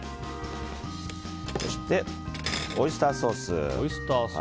そして、オイスターソース。